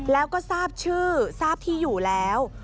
แล้วก็ทราบชื่อทราบที่อยู่แล้ว